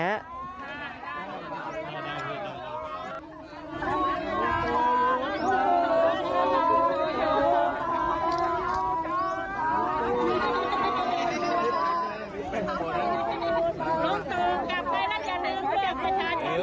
อยู่ต่ออยู่ต่ออยู่ต่อ